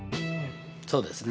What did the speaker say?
そうですね。